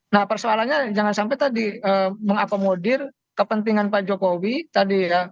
nah persoalannya jangan sampai tadi mengakomodir kepentingan pak jokowi tadi ya